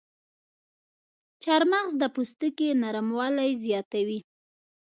چارمغز د پوستکي نرموالی زیاتوي.